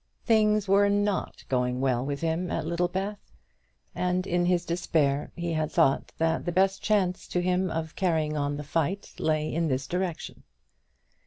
Things were not going well with him at Littlebath, and in his despair he had thought that the best chance to him of carrying on the fight lay in this direction.